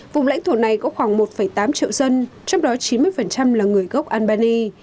vùng lãnh thổ này có khoảng một tám triệu dân trong đó chín mươi là người gốc albany